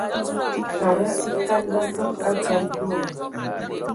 Kada ekan ba log adzal deo.